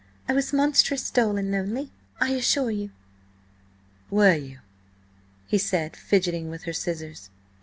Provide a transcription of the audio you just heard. I was monstrous dull and lonely, I assure you!" "Were you?" he said, fidgeting with her scissors.